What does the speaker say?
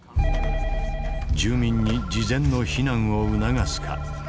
住民に事前の避難を促すか。